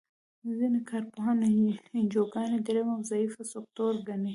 ځینې کار پوهان انجوګانې دریم او ضعیفه سکتور ګڼي.